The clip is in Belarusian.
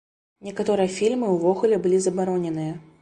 Некаторыя фільмы ўвогуле былі забароненыя.